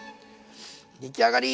出来上がり！